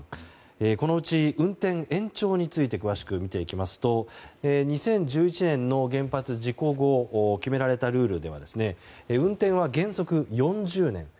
このうち、運転延長について詳しく見ていきますと２０１１年の原発事故後に決められたルールでは運転は原則４０年。